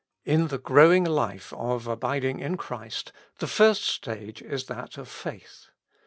In the growing life of abiding in Christ, the first stage is that of faith.